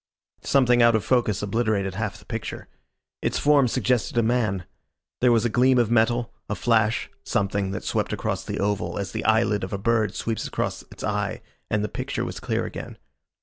Something out of focus obliterated half the picture. Its form suggested a man. There was a gleam of metal, a flash, something that swept across the oval, as the eyelid of a bird sweeps across its eye, and the picture was clear again.